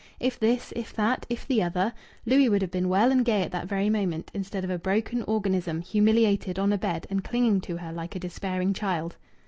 If this, if that, if the other Louis would have been well and gay at that very moment, instead of a broken organism humiliated on a bed and clinging to her like a despairing child.